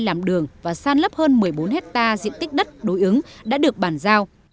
làm đường và san lấp hơn một mươi bốn hectare diện tích đất đối ứng đã được bàn giao